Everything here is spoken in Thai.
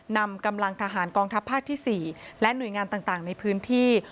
นำกำลังทหารกองทัพภาคที่๔และหน่วยงานต่างในพื้นที่